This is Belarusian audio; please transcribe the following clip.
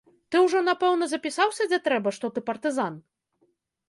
Ты ўжо, напэўна, запісаўся, дзе трэба, што ты партызан?